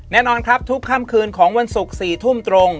แน่นอนครับทุกค่ำคืนของวันศุกร์๔ทุ่มตรง